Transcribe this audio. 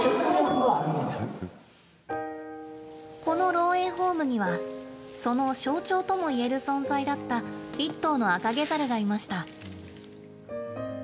この老猿ホームにはその象徴とも言える存在だった一頭のアカゲザルがいました。